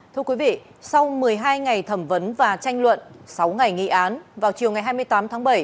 thưa quý vị sau một mươi hai ngày thẩm vấn và tranh luận sáu ngày nghị án vào chiều ngày hai mươi tám tháng bảy